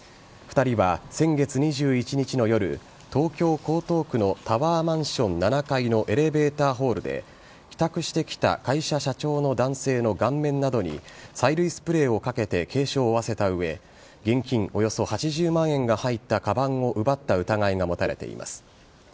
２人は先月２１日の夜東京・江東区のタワーマンション７階のエレベーターホールで帰宅してきた会社社長の男性の顔面などに催涙スプレーをかけて軽傷を負わせた上現金およそ８０万円が入ったかばんを奪った疑いが持たれています。